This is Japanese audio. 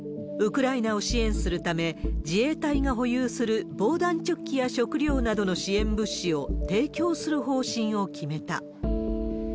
ウクライナを支援するため、自衛隊が保有する防弾チョッキや食料などの支援物資を提供する方針を決めた。